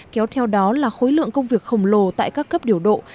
kéo theo đó là khối lượng công việc khổng lồ tại các cấp điều độ